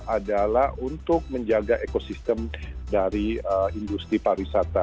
adalah untuk menjaga ekosistem dari industri pariwisata